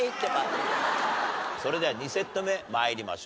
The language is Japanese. それでは２セット目参りましょう。